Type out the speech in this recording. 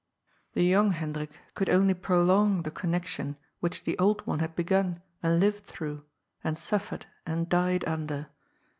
The young Hendrik could only prolong the connection which the old one had begun and lived through, and suf fered and died under.